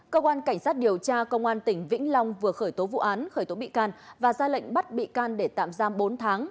cơ quan cảnh sát điều tra công an tỉnh vĩnh long vừa khởi tố vụ án khởi tố bị can và ra lệnh bắt bị can để tạm giam bốn tháng